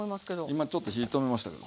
今ちょっと火止めましたけど。